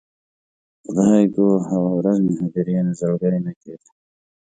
خدایږو، هغه ورځ مې هدیرې نه زړګی نه کیده